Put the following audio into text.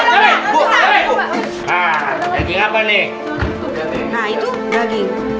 nah itu daging